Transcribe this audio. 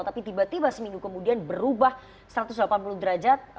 tapi tiba tiba seminggu kemudian berubah satu ratus delapan puluh derajat